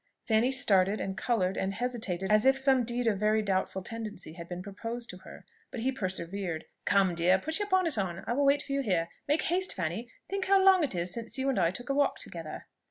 Fanny started, and coloured, and hesitated, as if some deed of very doubtful tendency had been proposed to her. But he persevered "Come, dear! put your bonnet on I will wait for you here make haste Fanny! Think how long it is since you and I took a walk together!"